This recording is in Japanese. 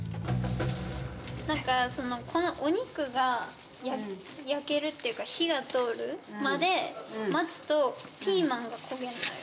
なんかこのお肉が焼けるっていうか、火が通るまで待つと、ピーマンが焦げる。